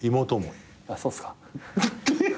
あっそうっすか。